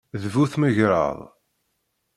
D bu tmegṛaḍ.